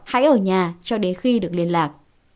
hãy ở nhà cho đến khi được liên lạc